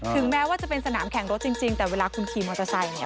แม้ว่าจะเป็นสนามแข่งรถจริงแต่เวลาคุณขี่มอเตอร์ไซค์เนี่ย